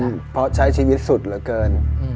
เพราะใช้ชีวิตสุดเหลือเกิน